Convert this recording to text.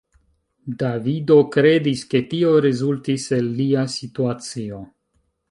Davido kredis, ke tio rezultis el lia situacio.